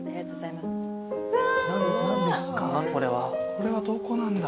これはどこなんだ？